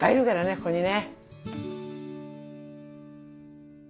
ここにね。